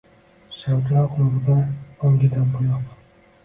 Shamchiroq nurida oʼngigan boʼyoq